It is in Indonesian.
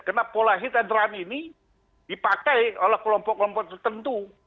karena pola hit dan run ini dipakai oleh kelompok kelompok tertentu